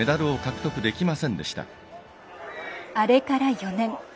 あれから４年。